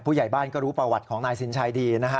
ผู้ใหญ่บ้านก็รู้ประวัติของนายสินชัยดีนะฮะ